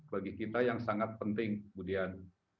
bagi kita yang sangat penting kemudian